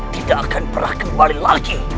tidak akan pernah kembali lagi